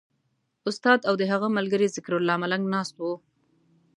استاد او د هغه ملګری ذکرالله ملنګ ناست وو.